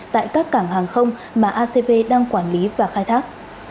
tại các cảng hàng không mà acv đang quản lý và khai thác